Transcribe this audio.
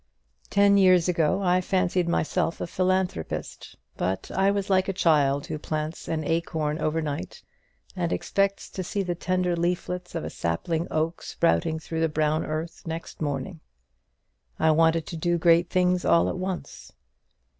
Ten years ago I fancied myself a philanthropist; but I was like a child who plants an acorn over night, and expects to see the tender leaflets of a sapling oak sprouting through the brown earth next morning. I wanted to do great things all at once.